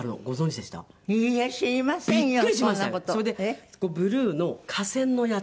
それでブルーの化繊のやつ